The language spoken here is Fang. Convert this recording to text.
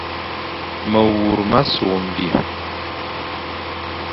Mewur ma sukh mvi,